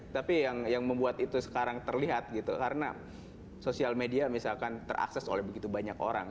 tapi yang membuat itu sekarang terlihat gitu karena sosial media misalkan terakses oleh begitu banyak orang